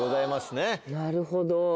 なるほど。